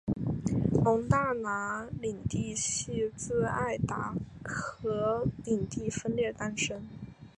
蒙大拿领地系自爱达荷领地分裂诞生。